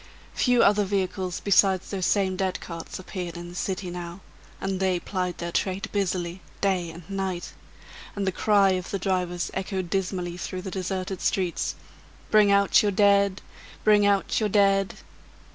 Few other vehicles besides those same dead carts appeared in the city now; and they plied their trade busily, day and night; and the cry of the drivers echoed dismally through the deserted streets: "Bring out your dead! bring out your dead!"